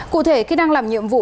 cụ thể khi đang làm nhiệm vụ